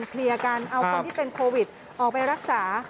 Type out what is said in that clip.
เคลียร์กันเอาคนที่เป็นโควิดออกไปรักษา